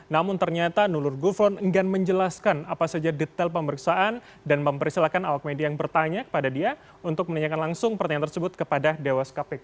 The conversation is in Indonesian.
namun ternyata nulur gufron enggan menjelaskan apa saja detail pemeriksaan dan mempersilahkan awak media yang bertanya kepada dia untuk menanyakan langsung pertanyaan tersebut kepada dewas kpk